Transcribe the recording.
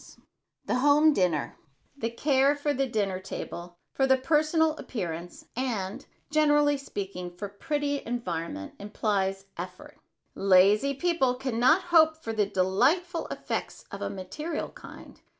[Sidenote: THE HOME DINNER] The care for the dinner table, for the personal appearance and, generally speaking, for pretty environment implies effort. Lazy people can not hope for these delightful effects of a material kind.